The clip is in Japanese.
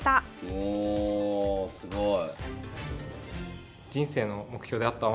おすごい。